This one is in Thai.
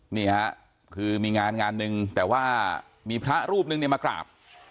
นี่ค่ะคือมีงานหนึ่งแต่ว่ามีพระรูปหนึ่งมากราบ